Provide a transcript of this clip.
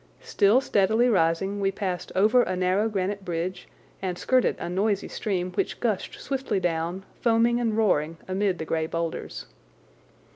Still steadily rising, we passed over a narrow granite bridge and skirted a noisy stream which gushed swiftly down, foaming and roaring amid the grey boulders.